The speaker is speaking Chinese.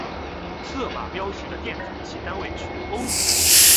色码标示的电阻其单位取欧姆。